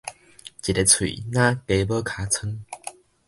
一个喙若雞母尻川